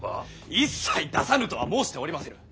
一切出さぬとは申しておりませぬ。